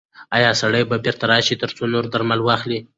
ایا سړی به بیرته راشي ترڅو نور درمل واخلي؟